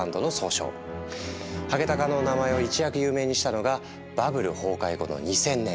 ハゲタカの名前を一躍有名にしたのがバブル崩壊後の２０００年。